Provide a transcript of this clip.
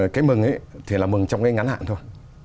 cái mừng ấy thì là mừng trong cái ngắn hạn thôi